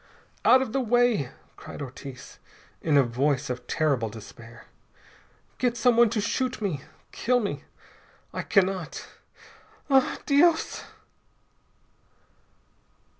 "Out of the way!" cried Ortiz in a voice of terrible despair. "Get someone to shoot me! Kill me! I cannot ah, _Dios!